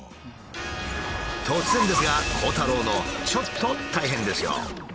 突然ですが鋼太郎のちょっと大変ですよ。